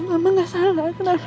mama gak salah kenapa